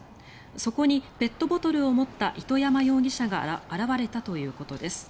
そこにペットボトルを持った糸山容疑者が現れたということです。